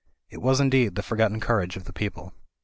It was indeed the forgotten courage of the people.